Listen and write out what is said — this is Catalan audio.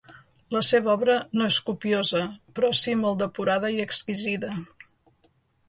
La seva obra no és copiosa, però si molt depurada i exquisida.